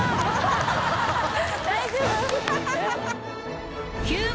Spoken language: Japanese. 大丈夫？